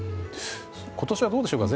今年はどうでしょうか。